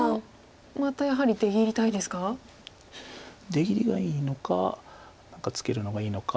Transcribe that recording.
出切りがいいのか何かツケるのがいいのか。